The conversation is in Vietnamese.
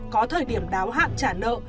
có thời điểm đáo hạm trả nợ